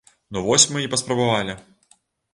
Ну вось мы і паспрабавалі.